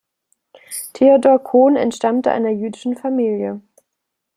Theodor Kohn entstammte einer jüdischen Familie.